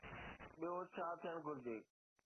ٻيو ڇا ٿيڻ گهرجي؟